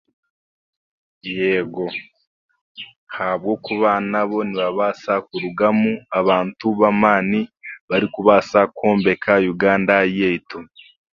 Yeego, ahabwokuba nabo nibabaasa kurugamu abantu b'amaani barikubaasa kwombeka uganda yaitu